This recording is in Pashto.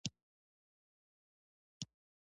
په افغانستان کې د کلي لپاره طبیعي شرایط مناسب دي.